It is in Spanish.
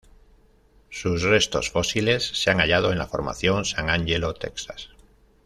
Sus restos fósiles se han hallado en la Formación San Angelo, Texas.